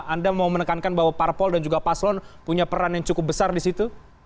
anda mau menekankan bahwa parpol dan juga paslon punya peran yang cukup besar di situ